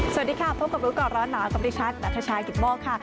สวัสดีค่ะพบกับรู้ก่อนร้อนหนาวกับดิฉันนัทชายกิตโมกค่ะ